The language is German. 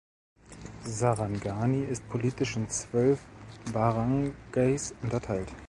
Sarangani ist politisch in zwölf Baranggays unterteilt.